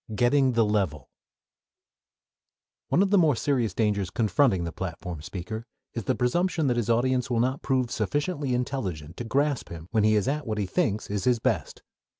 III GETTING THE LEVEL One of the more serious dangers confronting the platform speaker is the presumption that his audience will not prove sufficiently intelligent to grasp him when he is at what he thinks is his best.